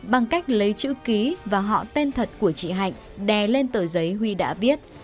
bằng cách lấy chữ ký và họ tên thật của chị hạnh đè lên tờ giấy huy đã biết